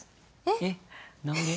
えっ何で？